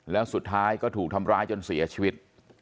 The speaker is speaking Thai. แล้วสุดท้ายก็ถูกทำร้ายจนเสียชีวิต